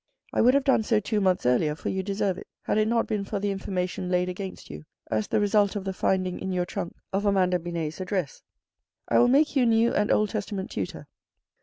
I would have done so two months earlier, for you deserve it, had it not been for the information laid against you as the result of the finding in your trunk of Amanda Binet's address. I will make you New and Old Testament tutor.